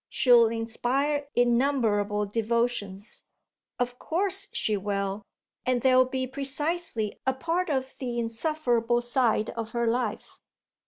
She'll inspire innumerable devotions." "Of course she will, and they'll be precisely a part of the insufferable side of her life."